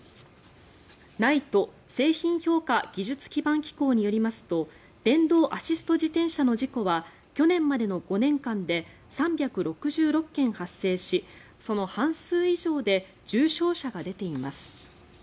ＮＩＴＥ・製品評価技術基盤機構によりますと電動アシスト自転車の事故は去年までの５年間で３６６件発生しその半数以上で重傷者が出ています。